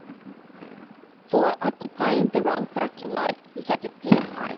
For occupying the wrong parking lot he had to pay a fine.